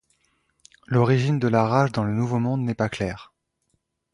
L'origine de la rage dans le Nouveau Monde n'est pas claire.